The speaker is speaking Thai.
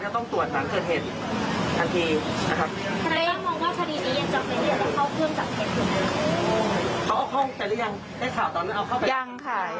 ยังค่ะยัง